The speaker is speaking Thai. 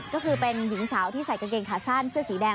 ก็คือเป็นหญิงสาวที่ใส่กางเกงขาสั้นเสื้อสีแดง